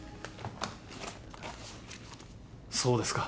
そうですか。